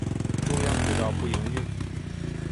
中央轨道不营运。